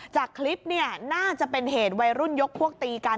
จากคลิปเนี่ยน่าจะเป็นเหตุวัยรุ่นยกพวกตีกัน